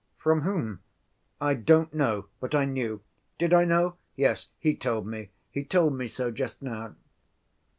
"From whom?" "I don't know. But I knew. Did I know? Yes, he told me. He told me so just now."